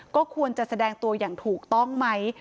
ก็ควรจะแสดงตัวอย่างถูกต้องไหม